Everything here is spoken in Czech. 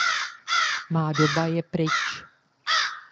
Má doba je pryč.